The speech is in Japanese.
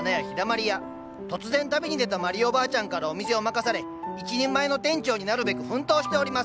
突然旅に出たまりおばあちゃんからお店を任され一人前の店長になるべく奮闘しております。